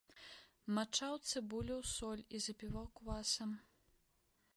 Мачаў цыбулю ў соль і запіваў квасам.